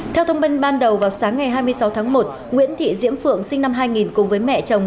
theo thông tin ban đầu vào sáng ngày hai mươi sáu tháng một nguyễn thị diễm phượng sinh năm hai nghìn cùng với mẹ chồng